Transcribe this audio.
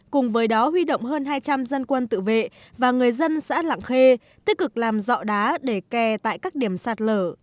cùng với đó huy động hơn hai trăm linh dân quân tự vệ và người dân xã lạng khê tích cực làm dọ đá để kè tại các điểm sạt lở